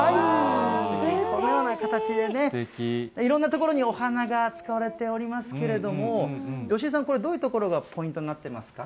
このような形でね、いろんなところにお花が使われておりますけれども、吉井さん、これ、どういうところがポイントになってますか。